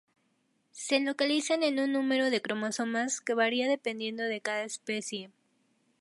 Se localizan en un número de cromosomas que varía dependiendo de cada especie.